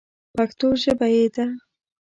پښتو ژبه یې ده.